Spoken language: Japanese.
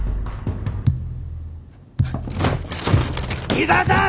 井沢さん！